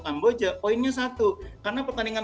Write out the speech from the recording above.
kamboja poinnya satu karena pertandingan